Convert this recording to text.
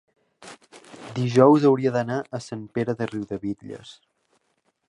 dijous hauria d'anar a Sant Pere de Riudebitlles.